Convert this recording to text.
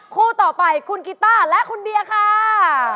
คู่ต่อไปคุณกิต้าและคุณเบียร์ค่ะ